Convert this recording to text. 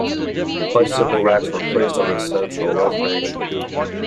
Bicycle racks were placed on the central reservation.